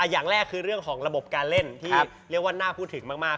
อย่างแรกคือเรื่องของระบบการเล่นที่เรียกว่าน่าพูดถึงมาก